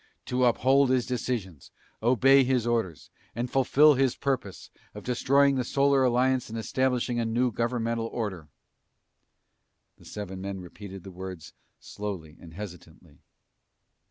"To uphold his decisions, obey his orders, and fulfill his purpose of destroying the Solar Alliance and establishing a new governmental order!" The seven men repeated the words slowly and hesitantly.